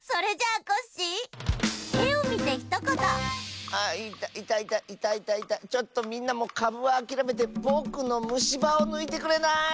「あいたいたいたいたちょっとみんなもかぶはあきらめてぼくのむしばをぬいてくれない？」。